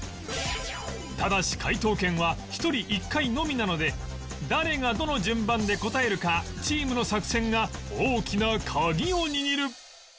ただし解答権は１人１回のみなので誰がどの順番で答えるかチームの作戦が大きなカギを握る